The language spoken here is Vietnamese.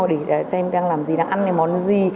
để xem đang làm gì là ăn cái món gì